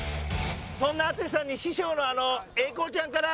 そんな淳さんに師匠の英孝ちゃんから。